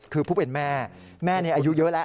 คือผู้เป็นแม่แม่นี้อายุเยอะแล้ว